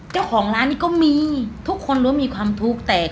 เจ้าของร้านนี้ก็มีทุกคนรู้ว่ามีความทุกข์แต่